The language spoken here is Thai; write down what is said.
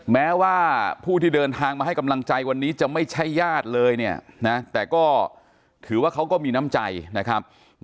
แม้ว่าผู้ที่เดินทางมาให้กำลังใจวันนี้จะไม่ใช่ญาติเลยเนี่ยนะแต่ก็ถือว่าเขาก็มีน้ำใจนะครับ